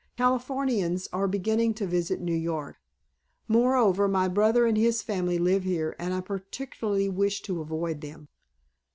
Californians are beginning to visit New York. Moreover, my brother and his family live here and I particularly wish to avoid them."